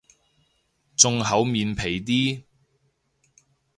仲厚面皮啲